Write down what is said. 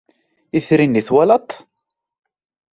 Itri-nni twalaḍ-t?